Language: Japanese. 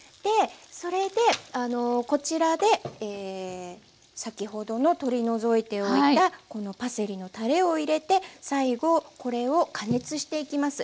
それでこちらで先ほどの取り除いておいたこのパセリのたれを入れて最後これを加熱していきます。